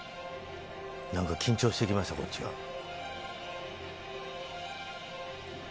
なんか緊張してきました、こっちが。